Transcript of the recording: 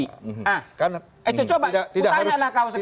coba aku tanya lah kau sekarang